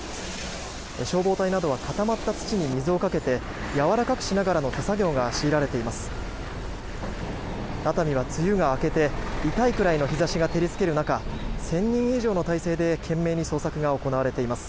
消防隊などは固まった土に水をかけてやわらかくしながらの手作業が強いられています。